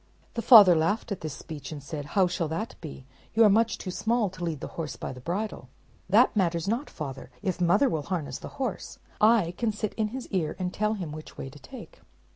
The father laughed at this speech, and said, "How shall that be? You are much too small to lead the horse by the bridle." "That matters not, father. If mother will harness the horse, I can sit in his car, and tell him which way to take."